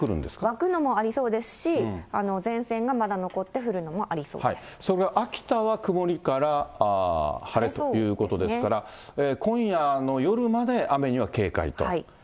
湧くのもありそうですし、前線がまだ残って降るのもありそうそれから秋田は曇りから晴れということですから、今夜、夜まであめには警戒と。